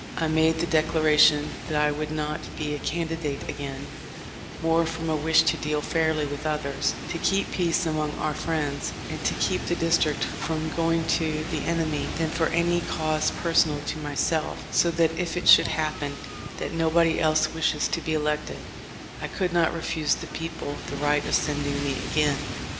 I made the declaration that I would not be a candi date again, more from a wish to deal fairly with others, to keep peace among our friends, and to keep the district from going to the enemy, than for any cause personal to myself, so that if it should happen that nobody else wishes to be elected I could not refuse the people the right of sending me again.